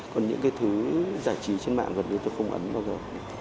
còn những cái thứ giải trí trên mạng gần như tôi không ấn bao giờ